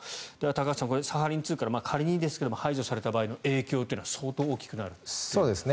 高橋さん、サハリン２から仮にですが排除された場合の影響は相当大きくなると。